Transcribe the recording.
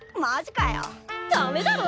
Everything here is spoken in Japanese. ダメだろ？